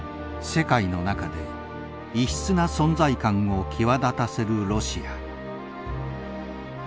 世界の中で異質な存在感を際立たせるロシア。